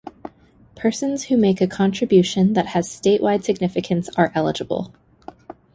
Persons who make a contribution that has statewide significance are eligible.